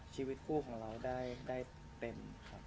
ชีวิตผู้ของเราได้เต็ม